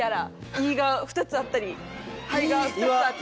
胃が２つあったり肺が２つあったり。